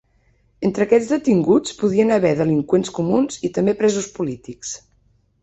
Entre aquests detinguts podien haver delinqüents comuns i també presos polítics.